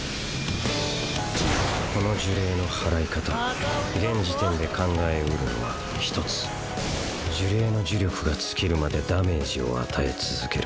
この呪霊の祓い方現時点で考えうるのは１つ呪霊の呪力が尽きるまでダメージを与え続ける。